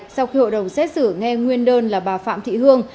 sau khi hội đồng xét xử nghe nguyên đơn là bà phạm thị hương